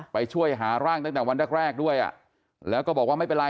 ไปช่วยหาร่างตั้งแต่วันแรกแรกด้วยอ่ะแล้วก็บอกว่าไม่เป็นไร